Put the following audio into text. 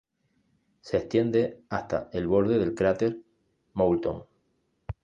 Se extiende hasta el borde del cráter Moulton.